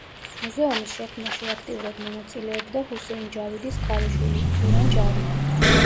მუზეუმის შექმნაში აქტიურად მონაწილეობდა ჰუსეინ ჯავიდის ქალიშვილი, თურან ჯავიდი.